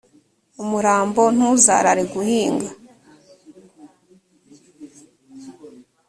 umurambo ntuzarare guhinga